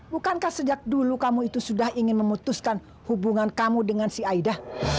bukankah sejak dulu kamu itu sudah ingin memutuskan hubungan kamu dengan si aidah